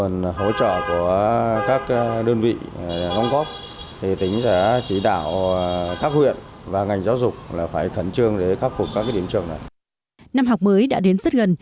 năm học mới đã đến rất gần